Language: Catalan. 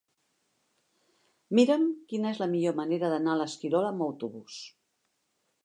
Mira'm quina és la millor manera d'anar a l'Esquirol amb autobús.